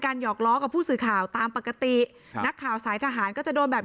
หยอกล้อกับผู้สื่อข่าวตามปกตินักข่าวสายทหารก็จะโดนแบบ